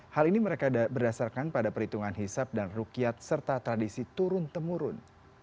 hal ini mereka berdasarkan pada perhitungan hisap dan rukyat serta tradisi turun temurun